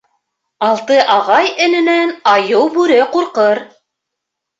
Алты ағай-эненән айыу-бүре ҡурҡыр.